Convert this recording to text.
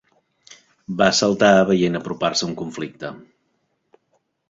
Va saltar, veient apropar-se un conflicte.